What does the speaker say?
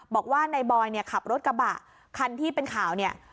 บอกว่านายบอยเนี่ยขับรถกระบะคันที่เป็นข่าวเนี่ย